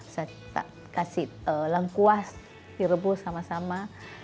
saya kasih lengkuas direbus sama sama